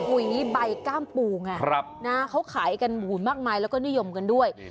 หุยนี้ใบก้ามปูไงเขาขายกันหมูมากมายแล้วก็นิยมกันด้วย